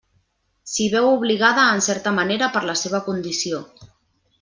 S'hi veu obligada en certa manera per la seva condició.